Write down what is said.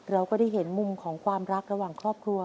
เราก็ได้เห็นมุมของความรักระหว่างครอบครัว